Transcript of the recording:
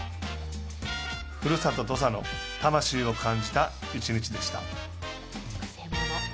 ふるさと土佐の魂を感じた一日でした。